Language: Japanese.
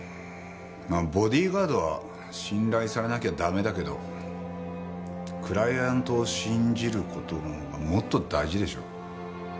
まあボディーガードは信頼されなきゃ駄目だけどクライアントを信じる事のほうがもっと大事でしょ。